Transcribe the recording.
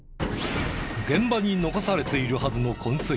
現場に残されているはずの痕跡